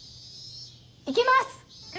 行きます！